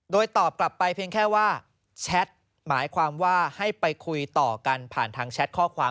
โดยตอบกลับไปเพียงแค่ว่าแชทหมายความว่าให้ไปคุยต่อกันผ่านทางแชทข้อความ